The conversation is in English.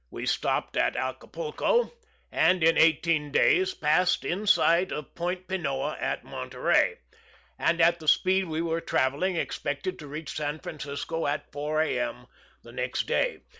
We stopped at Acapulco, and, in eighteen days, passed in sight of Point Pinoa at Monterey, and at the speed we were traveling expected to reach San Francisco at 4 A. M. the next day.